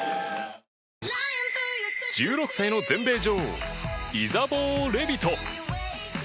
１６歳の全米女王イザボー・レビト。